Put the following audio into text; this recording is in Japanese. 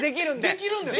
できるんですか？